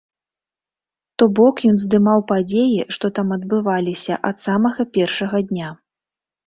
То бок ён здымаў падзеі, што там адбываліся ад самага першага дня.